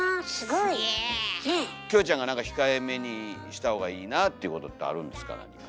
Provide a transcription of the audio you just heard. キョエちゃんが何か控えめにした方がいいなっていうことってあるんですか何か。